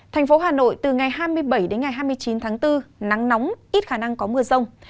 thành phố hà nội từ ngày hai mươi bảy đến ngày hai mươi chín tháng bốn nắng nóng ít khả năng có mưa rông